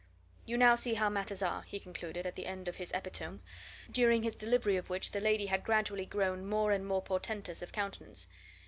"You now see how matters are," he concluded, at the end of his epitome, during his delivery of which the lady had gradually grown more and more portentous of countenance.